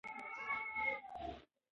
دا ځانګړنه شاتو ته ځانګړی ارزښت ورکوي.